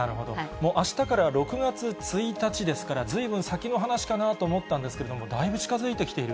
もうあしたから６月１日ですから、ずいぶん先の話かなと思ったんですけれども、だいぶ近づいてきている。